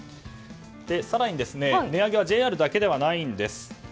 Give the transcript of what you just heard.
更に、値上げはＪＲだけではないんです。